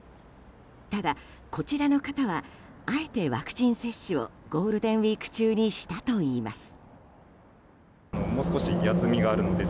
ただ、こちらの方はあえてワクチン接種をゴールデンウィーク中にしたといいます。